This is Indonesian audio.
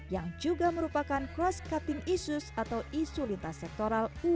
yang juga merupakan cross cutting issues atau isu lintas sektoral u dua puluh